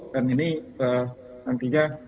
dan ini nantinya